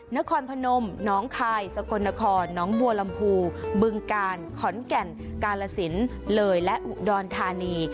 นครพนมน้องคายสกลนครน้องบัวลำพูบึงกาลขอนแก่นกาลสินเลยและอุดรธานี